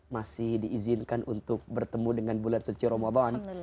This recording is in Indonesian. masih diizinkan untuk bertemu dengan bulan suci ramadan